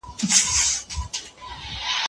د دوی ترمنځ ښه اړیکه تر بل هر څه مهمه ده.